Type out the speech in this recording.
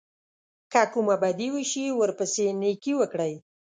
که کومه بدي وشي ورپسې نېکي وکړئ.